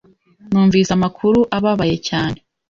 Numvise amakuru ababaye cyane.